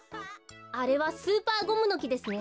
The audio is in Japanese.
あれはスーパーゴムのきですね。